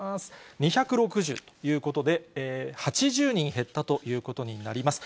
２６０ということで、８０人減ったということになります。